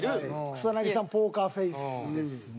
草さんポーカーフェースですね。